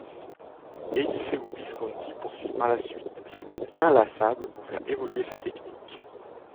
Eliseu Visconti poursuit par la suite sa quête inlassable pour faire évoluer sa technique.